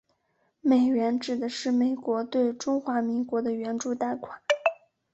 美援指的是美国对中华民国的援助贷款。